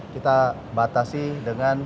kita batasi dengan